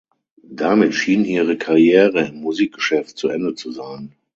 Damit schien ihre Karriere im Musikgeschäft zu Ende zu sein.